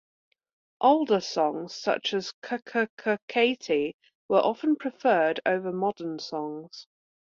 Older songs such as "K-K-K-Katy" were often preferred over modern songs.